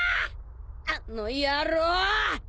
あの野郎！